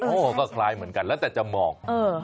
โอ้โหก็คล้ายเหมือนกันแล้วแต่จะมอง